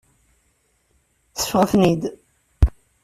Seffɣet-ten-id.